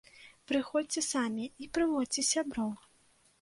Прыходзьце самі і прыводзьце сяброў!